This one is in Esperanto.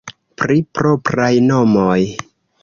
Pri propraj nomoj.